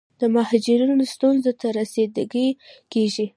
د مهاجرینو ستونزو ته رسیدګي کیږي.